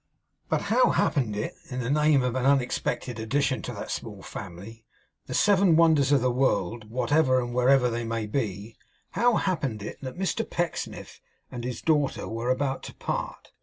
But how happened it in the name of an unexpected addition to that small family, the Seven Wonders of the World, whatever and wherever they may be, how happened it that Mr Pecksniff and his daughter were about to part?